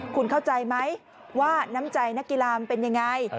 คุณเข้าใจไหมว่าน้ำใจนักกีฬามันเป็นยังไง